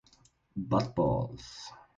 But Balls!